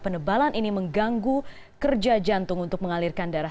penebalan ini mengganggu kerja jantung untuk mengalirkan darah